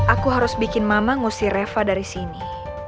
aku harus bikin mama ngusi reva dari sini